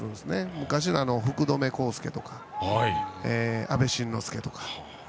昔の福留孝介とか阿部慎之助とか。